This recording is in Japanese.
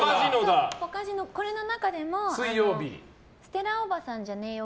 これの中でもステラおばさんじゃねーよ